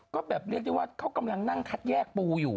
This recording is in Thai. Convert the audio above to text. ก็แบบเรียกได้ว่าเขากำลังนั่งคัดแยกปูอยู่